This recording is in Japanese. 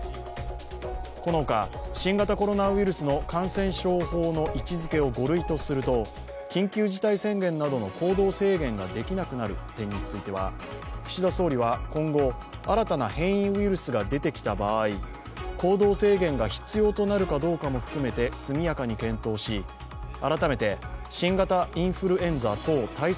このほか、新型コロナウイルスの感染症法の位置づけを５類とすると緊急事態宣言などの行動制限ができなくなる点については岸田総理は、今後、新たな変異ウイルスが出てきた場合、行動制限が必要となるかどうかも含めて速やかに検討し改めて新型インフルエンザ等対策